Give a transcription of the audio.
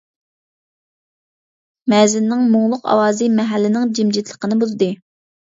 مەزىننىڭ مۇڭلۇق ئاۋازى مەھەللىنىڭ جىمجىتلىقىنى بۇزدى.